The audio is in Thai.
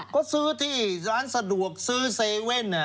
ก็ซื้อที่ร้านสะดวกซื้อเซเว่นเนี่ย